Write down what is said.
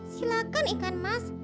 silahkan ikan mas